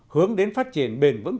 hướng đến phát triển bền vững